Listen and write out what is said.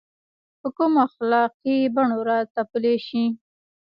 په کومو اخلاقي بڼو راتپلی شي.